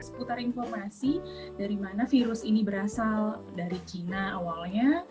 seputar informasi dari mana virus ini berasal dari cina awalnya